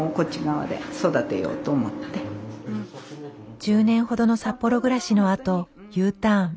１０年ほどの札幌暮らしのあとＵターン。